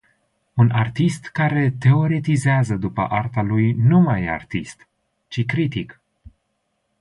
Un artist care teoretizează după arta lui nu mai e artist, ci critic.